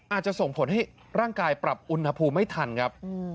อาจจะส่งผลให้ร่างกายปรับอุณหภูมิไม่ทันครับ